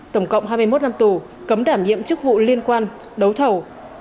tổng cộng hai mươi một năm tù cấm đảm nhiệm chức vụ liên quan đấu thầu